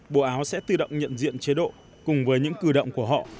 bộ áo sẽ tự động nhận diện chế độ cùng với những cử động của họ